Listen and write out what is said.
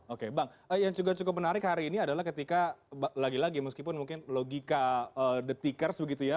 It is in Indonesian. oke bang yang juga cukup menarik hari ini adalah ketika lagi lagi meskipun mungkin logika the tickers begitu ya